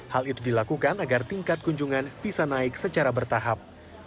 hal itu dilakukan agar tingkat kunjungan bisa naik secara bertahap